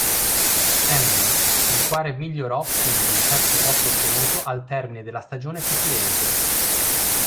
N, il quale migliorò quindi il terzo posto ottenuto al termine della stagione precedente.